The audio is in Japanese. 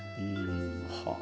はあ。